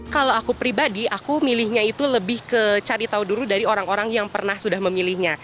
kalau aku pribadi aku milihnya itu lebih ke cari tahu dulu dari orang orang yang pernah sudah memilihnya